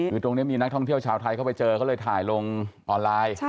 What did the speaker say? คือตรงนี้มีนักท่องเที่ยวชาวไทยเข้าไปเจอเขาเลยถ่ายลงออนไลน์